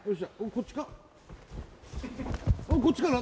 こっちかな？